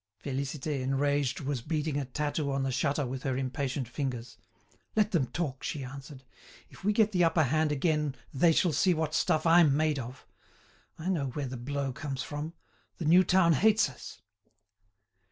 Félicité, enraged, was beating a tattoo on the shutter with her impatient fingers. "Let them talk," she answered. "If we get the upper hand again they shall see what stuff I'm made of. I know where the blow comes from. The new town hates us."